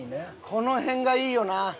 この辺がいいよな。